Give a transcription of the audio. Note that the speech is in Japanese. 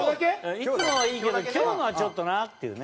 いつもはいいけど今日のはちょっとなっていうね。